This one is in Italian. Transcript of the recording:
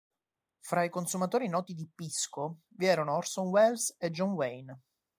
Fra i consumatori noti di "pisco" vi erano Orson Welles e John Wayne.